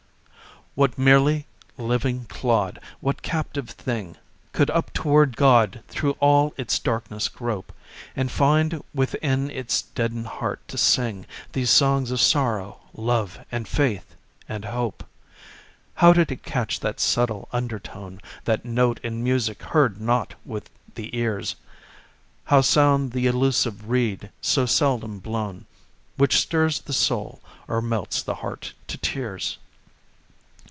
What merely living clod, what captive thing, Could up toward God through all its darkness grope, And find within its deadened heart to sing These songs of sorrow, love and faith, and hope? How did it catch that subtle undertone, That note in music heard not with the ears? How sound the elusive reed so seldom blown, Which stirs the soul or melts the heart to tears.